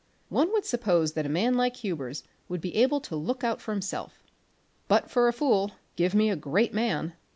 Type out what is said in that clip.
One would suppose that a man like Hubers would be able to look out for himself, "but for a fool, give me a great man!"